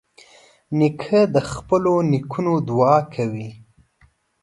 نیکه د خپلو نیکونو دعا کوي.